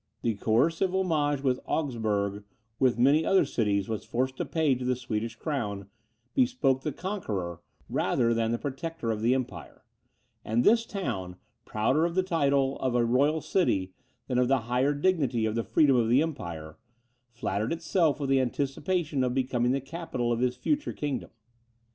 The coercive homage which Augsburg, with many other cities, was forced to pay to the Swedish crown, bespoke the conqueror, rather than the protector of the empire; and this town, prouder of the title of a royal city, than of the higher dignity of the freedom of the empire, flattered itself with the anticipation of becoming the capital of his future kingdom.